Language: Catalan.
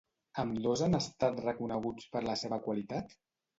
Ambdós han estat reconeguts per la seva qualitat?